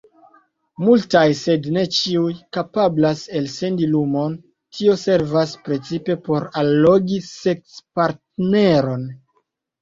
Multaj, sed ne ĉiuj, kapablas elsendi lumon; tio servas precipe por allogi seks-partneron.